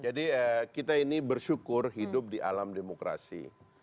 jadi kita ini bersyukur hidup di alam demokrasi